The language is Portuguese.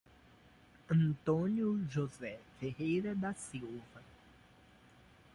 Antônio José Ferreira da Silva